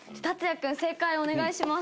君正解をお願いします。